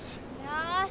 よし。